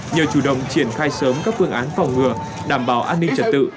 nhờ chủ động triển khai sớm các phương án phòng ngừa đảm bảo an ninh trật tự